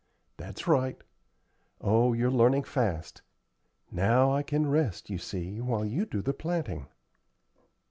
That's right. Oh, you're learning fast. Now I can rest, you see, while you do the planting."